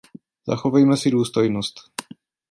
Zachovejme si důstojnost.